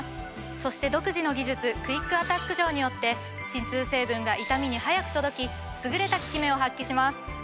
そして独自の技術クイックアタック錠によって鎮痛成分が痛みに速く届き優れた効き目を発揮します。